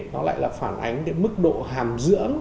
nó lại là phản ánh cái mức độ hàm dưỡng